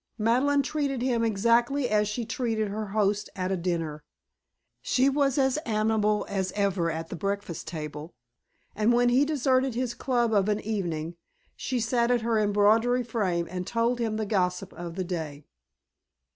Madeleine treated him exactly as she treated her host at a dinner. She was as amiable as ever at the breakfast table, and when he deserted his club of an evening, she sat at her embroidery frame and told him the gossip of the day.